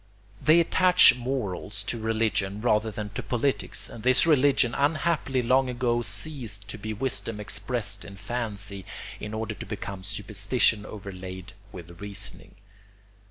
They attach morals to religion rather than to politics, and this religion unhappily long ago ceased to be wisdom expressed in fancy in order to become superstition overlaid with reasoning.